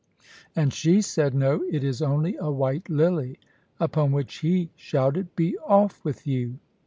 And she said, 'No, it is only a white lily.' Upon which he shouted, 'Be off with you!'